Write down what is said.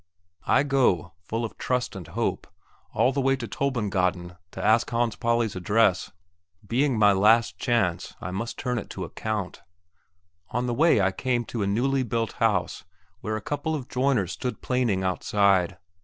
I go, full of trust and hope, all the way to Tolbod gaden to ask Hans Pauli's address; being my last chance, I must turn it to account. On the way I came to a newly built house, where a couple of joiners stood planing outside.